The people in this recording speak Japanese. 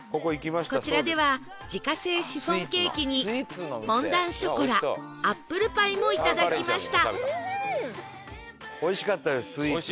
こちらでは自家製シフォンケーキにフォンダンショコラアップルパイもいただきました